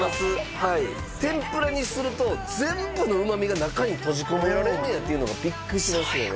はい天ぷらにすると全部の旨味が中に閉じ込められんねやっていうのがビックリしますよね